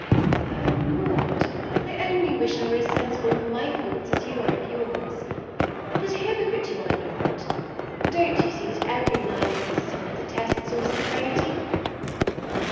"Oh! Maude, I only wish I were as sensible of my faults as you are of yours. But a hypocrite you are not: don't you see that every line of these sonnets attests your sin cerity?